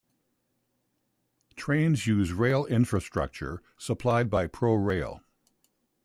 Trains use rail infrastructure supplied by ProRail.